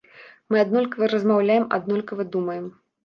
Мы аднолькава размаўляем, аднолькава думаем.